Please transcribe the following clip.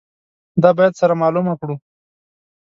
دا باید سره معلومه کړو.